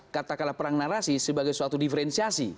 katakanlah perang narasi sebagai suatu diferensiasi